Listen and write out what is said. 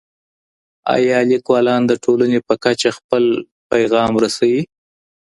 آيا ليکوالان د ټولني په کچه خپل پيغام رسوي؟